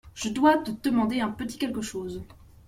Je dois te demander un petit quelque chose.